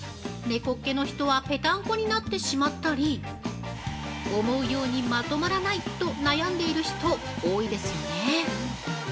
猫っ毛の人はぺたんこになってしまったり思うようにまとまらないと悩んでる人、多いですよね。